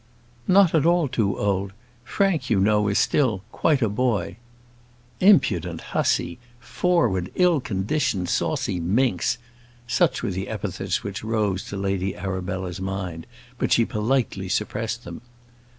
"Not at all too old; Frank, you know is 'still quite a boy.'" Impudent hussy! forward, ill conditioned saucy minx! such were the epithets which rose to Lady Arabella's mind; but she politely suppressed them.